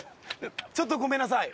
ちょっとごめんなさい。